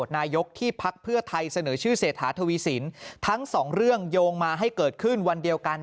นายกที่พักเพื่อไทยเสนอชื่อเศรษฐาทวีสินทั้งสองเรื่องโยงมาให้เกิดขึ้นวันเดียวกัน